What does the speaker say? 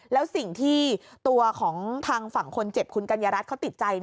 แล้วสิ่งที่ตัวของทางฝั่งคนเจ็บคุณกัญญารัฐเขาติดใจ